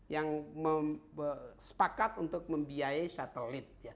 yang sepakat untuk membiayai satelit